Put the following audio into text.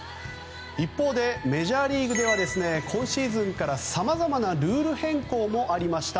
一方でメジャーリーグでは今シーズンからさまざまなルール変更もありました。